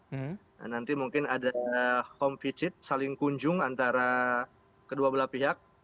jadi mungkin ada home visit saling kunjung antara kedua belah pihak